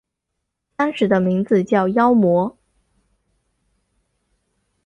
当时的名字为妖魔。